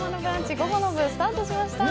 午後の部スタートしました。